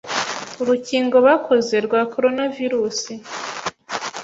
urukingo bakoze rwa Coronvirus